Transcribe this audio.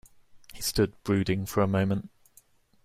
He stood brooding for a moment.